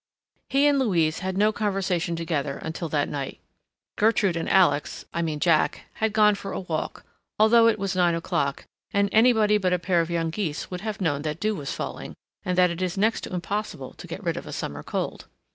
He and Louise had no conversation together until that night. Gertrude and Alex—I mean Jack—had gone for a walk, although it was nine o'clock, and anybody but a pair of young geese would have known that dew was falling, and that it is next to impossible to get rid of a summer cold.